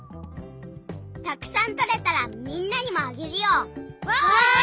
たくさんとれたらみんなにもあげるよ。わい！